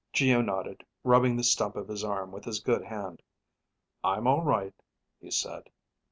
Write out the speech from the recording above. Geo nodded, rubbing the stump of his arm with his good hand. "I'm all right," he said.